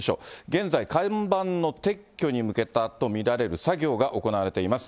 現在、看板の撤去に向けたと見られる作業が行われています。